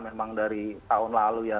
memang dari tahun lalu ya